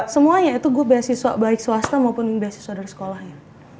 semuanya itu gue beasiswa baik swasta maupun beasiswa dari sekolahnya